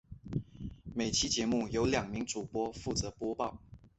每期节目由两名主播负责播报。